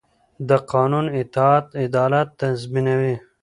د قانون اطاعت عدالت تضمینوي